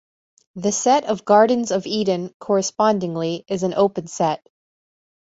The set of Gardens of Eden, correspondingly, is an open set.